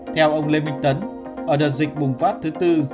theo ông lê minh tấn ở đợt dịch bùng phát thứ tư